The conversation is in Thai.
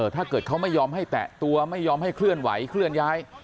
ถ้าเกิดเขาไม่ยอมให้แตะตัวไม่ยอมให้เคลื่อนไหวเคลื่อนย้าย